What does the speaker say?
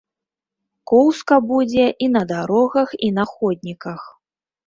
Коўзка будзе і на дарогах, і на ходніках.